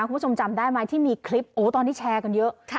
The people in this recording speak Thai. คุณผู้ชมจำได้ไหมที่มีคลิปโอ้ตอนนี้แชร์กันเยอะ